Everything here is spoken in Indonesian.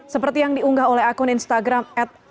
seperti yang diunggah oleh akun instagram at